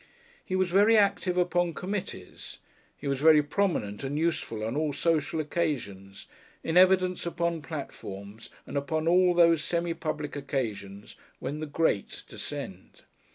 He was very active upon committees; he was very prominent and useful on all social occasions, in evidence upon platforms and upon all those semi public occasions when the Great descend.